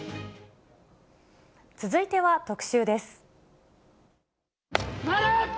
続いては特集です。